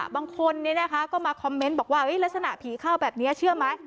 บางคนก็มาคอมเมนต์บอกว่าลักษณะผีเข้าแบบนี้เชื่อไหม